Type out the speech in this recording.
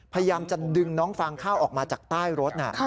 พยายามจะดึงน้องฟางข้าวออกมาจากใต้รถ